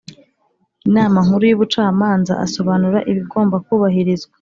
Inama nkuru y ubucamanza asobanura ibigomba kubahirizwa